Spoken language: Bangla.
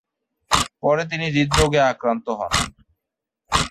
পরে তিনি হৃদরোগে আক্রান্ত হন।